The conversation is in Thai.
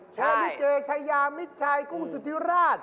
ใช่ลิเกย์ชายามิชชายกุ้งสุธิวราช